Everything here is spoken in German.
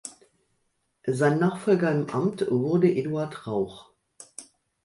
Sein Nachfolger im Amt wurde Eduard Rauch.